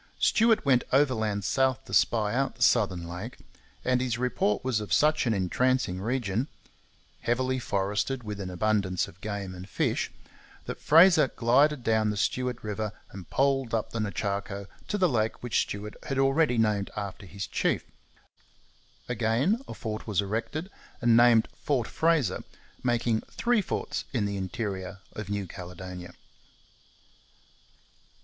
Stuart went overland south to spy out the southern lake; and his report was of such an entrancing region heavily forested, with an abundance of game and fish that Fraser glided down the Stuart river and poled up the Nechaco to the lake which Stuart had already named after his chief. Again a fort was erected and named Fort Fraser, making three forts in the interior of New Caledonia.